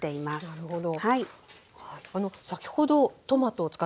なるほど。